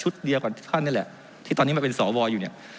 เดียวกับทุกท่านนี่แหละที่ตอนนี้มาเป็นสวอยู่เนี่ย